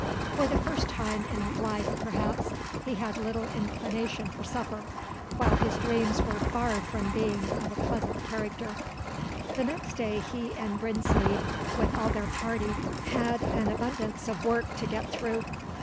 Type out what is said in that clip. For the first time in his life, perhaps, he had little inclination for supper, while his dreams were far from being of a pleasant character. The next day he and Brinsmead, with all their party, had an abundance of work to get through.